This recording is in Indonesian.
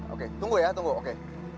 oke tunggu ya tunggu oke